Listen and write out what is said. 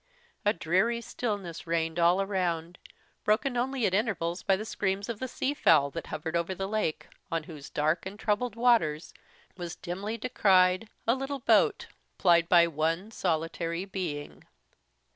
A dreary stillness reigned all around, broken only at intervals by the screams of the sea fowl that hovered over the lake, on whose dark and troubled waters was dimly descried a little boat, plied by one solitary being.